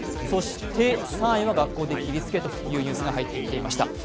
そして３位は学校で切りつけというニュースが入ってきていました。